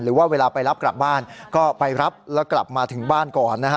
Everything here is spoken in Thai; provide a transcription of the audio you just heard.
เวลาไปรับกลับบ้านก็ไปรับแล้วกลับมาถึงบ้านก่อนนะฮะ